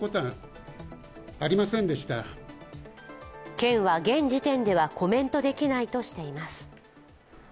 県は現時点ではコメントできないとしています。